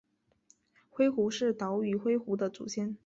灰狐是岛屿灰狐的祖先。